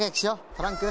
トランク。